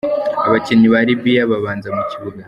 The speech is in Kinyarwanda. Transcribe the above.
Abakinnyi ba Libya babanza mu kibuga: